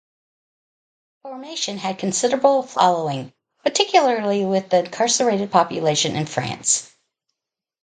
The formation had considerable following particularly with the incarcerated population in France.